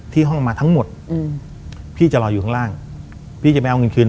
ห้องมาทั้งหมดอืมพี่จะรออยู่ข้างล่างพี่จะไม่เอาเงินคืน